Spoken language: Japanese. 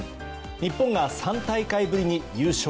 日本が３大会ぶりに優勝。